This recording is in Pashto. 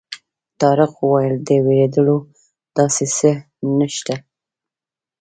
طارق وویل د وېرېدلو داسې څه نه شته.